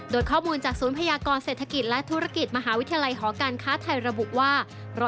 โดยข้อมูลจากศูนย์พยากรเศรษฐกิจและธุรกิจมหาวิทยาลัยหอการค้าไทยระบุว่า